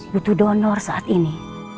butuh donor saat ini